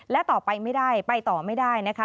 และต่อไปไม่ได้ไปต่อไม่ได้นะคะ